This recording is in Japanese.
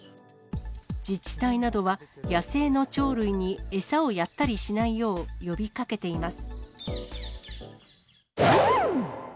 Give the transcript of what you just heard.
自治体などは野生の鳥類に餌をやったりしないよう、呼びかけています。